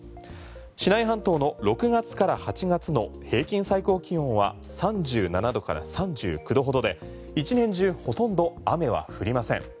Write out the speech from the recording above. シナイ半島の６月から８月の平均最高気温は３７度から３９度ほどで一年中ほとんど雨は降りません。